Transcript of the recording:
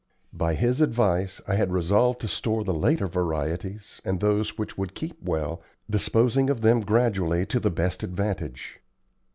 By his advice I had resolved to store the later varieties and those which would keep well, disposing of them gradually to the best advantage.